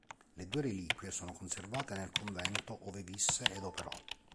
Le sue reliquie sono conservate nel convento ove visse ed operò.